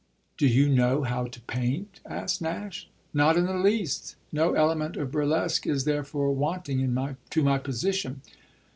"Do you know how to paint?" asked Nash. "Not in the least. No element of burlesque is therefore wanting to my position."